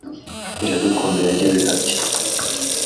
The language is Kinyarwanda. Iradukunda yagize ati